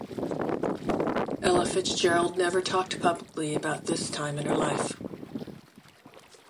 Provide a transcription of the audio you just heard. Ella Fitzgerald never talked publicly about this time in her life.